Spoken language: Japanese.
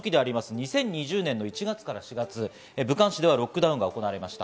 ２０２０年１月から４月、武漢市ではロックダウンが行われました。